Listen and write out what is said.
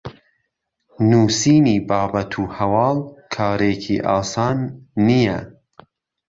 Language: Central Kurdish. نوسینی بابەت و هەواڵ کارێکی ئاسان نییە